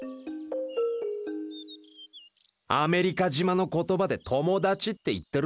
アメリカ島の言葉で「友達」って言ってるんだ。